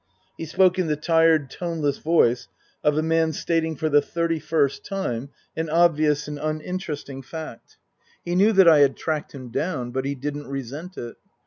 He spoke in the tired, toneless voice of a man stating for the thirty first time an obvious and uninteresting fact. He knew that I had tracked him down, but he didn't resent it.